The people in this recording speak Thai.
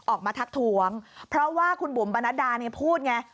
ออกมาทักทวงเพราะว่าคุณบุ๋มประนัดดาพูดไง